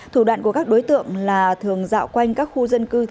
thủ đoạn của các đối tượng là thường dạo quanh các khu dân cư